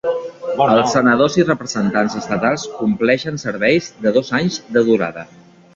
Els senadors i representants estatals compleixen serveis de dos anys de durada.